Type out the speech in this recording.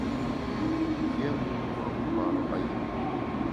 Mgbiémùn pua’ mkpara’ yùm.